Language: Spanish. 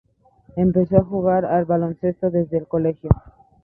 Empezó a jugar al baloncesto desde el colegio.